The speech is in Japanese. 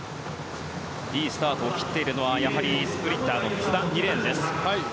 いいスタートを切っているのはやはりスプリンターの津田２レーンです。